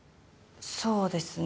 そうですね。